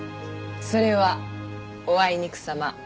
それはおあいにくさま。